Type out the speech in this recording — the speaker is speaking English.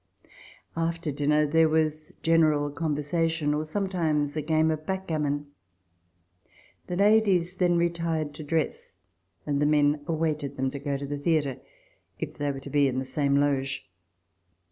After dinner there was general con versation or, sometimes, a game of backgammon. The ladies then retired to dress, and the men awaited them to go to the theatre, if they were to be in the same loge.